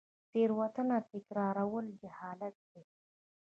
تیروتنه تکرارول جهالت دی